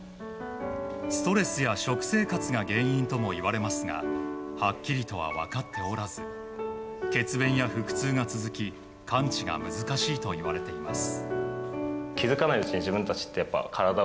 ストレスや食生活が原因ともいわれますがはっきりとは分かっておらず血便や腹痛が続き完治が難しいといわれています。